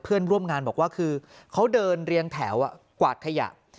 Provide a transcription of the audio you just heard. เพื่อนร่วมงานบอกว่าคือเขาเดินเรียงแถวกวาดขยะ